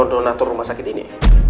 bu retno donator rumah sakit ini